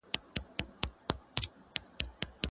د ښووني پوهنځۍ له اجازې پرته نه کارول کیږي.